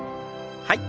はい。